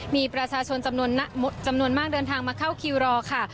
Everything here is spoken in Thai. มีประชาชนจำนวนมากเดินทางมาเข้าคิวรอค่ะ